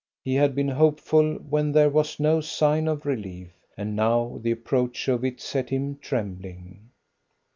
He had been hopeful when there was no sign of relief, and now the approach of it set him trembling.